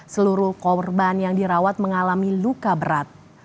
seluruh korban yang dirawat mengalami luka berat